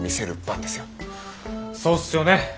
そうっすよね。